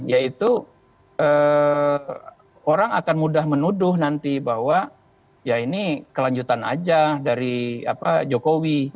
yaitu orang akan mudah menuduh nanti bahwa ya ini kelanjutan aja dari jokowi